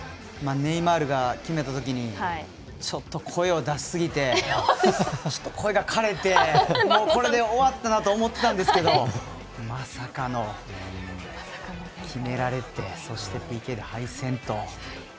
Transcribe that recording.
ネイマールが決めたときにちょっと声を出しすぎてちょっと声がかれてこれで終わったなと思ってたんですけどまさかの決められてそしてＰＫで敗戦と。